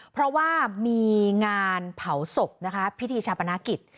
เพราะว่ามีงานเผาศพนะคะพิธีชาปนกิจ